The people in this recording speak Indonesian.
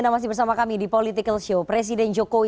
dan itu hanya miliknya presiden